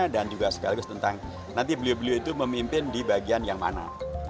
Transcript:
dan juga sekaligus tentang nanti beliau beliau itu memimpin di bagian yang mana